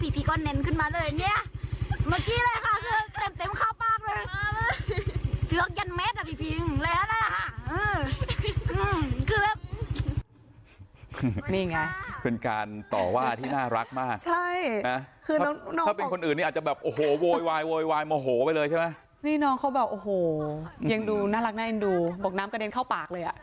บอกว่าน้ำมันกระเงินเข้าปากเลย